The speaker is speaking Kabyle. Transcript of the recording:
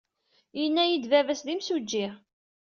Yenna-iyi-d baba-s d imsujji.